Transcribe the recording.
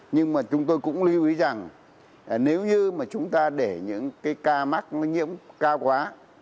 nhưng mà chúng tôi cũng lưu ý rằng nếu như mà chúng ta để những cái ca mắc nó nhiễm cao quá